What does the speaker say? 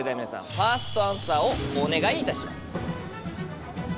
ファーストアンサーをお願いいたします。